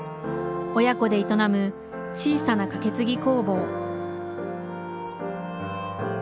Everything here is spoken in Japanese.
親子で営む小さなかけつぎ工房